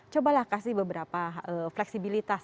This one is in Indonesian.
cobalah kasih beberapa fleksibilitas